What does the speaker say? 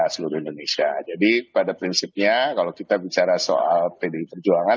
seluruh indonesia jadi pada prinsipnya kalau kita bicara soal pdi perjuangan